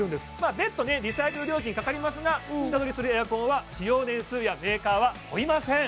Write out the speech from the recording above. あ別途ねリサイクル料金かかりますが下取りするエアコンは使用年数やメーカーは問いません